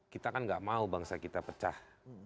kita kan gak mau bangsa kita pecah